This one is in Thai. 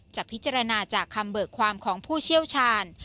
จะพิจารณาจากคำเบิกความของผู้เชี่ยวชาญ